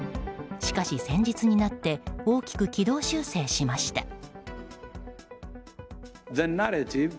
しかし、先日になって大きく軌道修正しました。